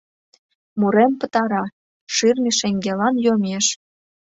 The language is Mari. Мурен пытара, ширме шеҥгелан йомеш.